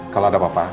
kalau ada apa apa